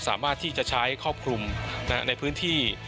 สามารถที่จะใช้ครอบคลุมในพื้นที่